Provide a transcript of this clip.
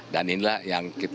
dan inilah yang kita